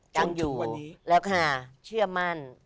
ยังอยู่แล้วก็เชื่อมั่น